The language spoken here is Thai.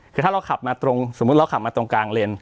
คือถ้าเราขับมาตรงสมมุติเราขับมาตรงกลางเลน